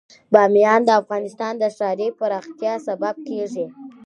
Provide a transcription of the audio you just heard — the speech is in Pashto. بامیان د افغانستان د ښاري پراختیا سبب کېږي.